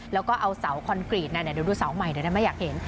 แล้วก็เอาเสาคอนกรีต